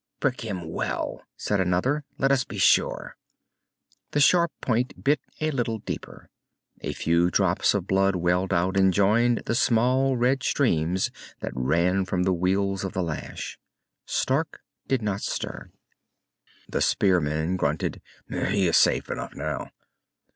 "Prick him well," said another. "Let us be sure!" The sharp point bit a little deeper. A few drops of blood welled out and joined the small red streams that ran from the weals of the lash. Stark did not stir. The spearman grunted. "He is safe enough now."